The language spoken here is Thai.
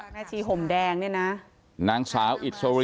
แม่ชีห่วงแดงนี่นะนางสาว